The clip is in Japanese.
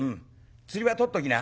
釣りは取っときな。